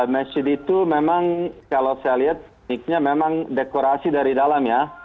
masjid itu memang kalau saya lihat niknya memang dekorasi dari dalam ya